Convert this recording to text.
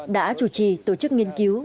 đã chủ trì tổ chức nghiên cứu